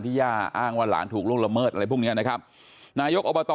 ย่าอ้างว่าหลานถูกล่วงละเมิดอะไรพวกเนี้ยนะครับนายกอบต